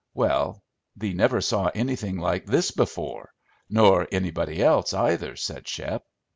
"Well, thee never saw anything like this before nor anybody else, either," said Shep.